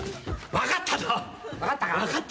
分かったか。